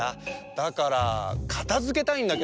だからかたづけたいんだけど。